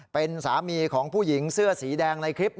เป็นสามีของผู้หญิงเสื้อสีแดงในคลิป